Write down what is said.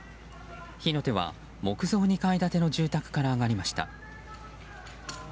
火の手は木造２階建ての住宅から上がりました。